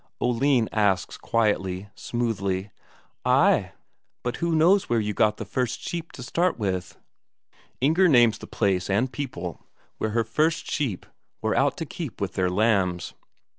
Oline asks quietly, smoothly: "Ay, but who knows where you got the first sheep to start with?" Inger names the place and people where her first sheep were out to keep with their lambs.